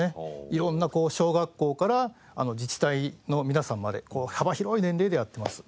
色んなこう小学校から自治体の皆さんまで幅広い年齢でやってます。